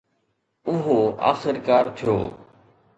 اهو آخرڪار ٿيو.